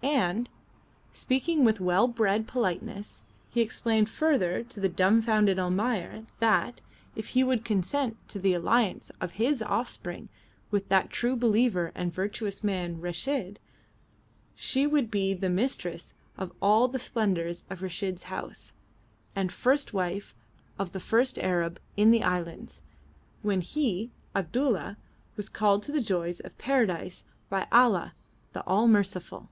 And, speaking with well bred politeness, he explained further to the dumbfounded Almayer that, if he would consent to the alliance of his offspring with that true believer and virtuous man Reshid, she would be the mistress of all the splendours of Reshid's house, and first wife of the first Arab in the Islands, when he Abdulla was called to the joys of Paradise by Allah the All merciful.